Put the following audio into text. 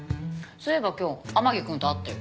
そういえば今日天樹くんと会ったよ。